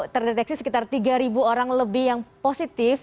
terdeteksi sekitar tiga orang lebih yang positif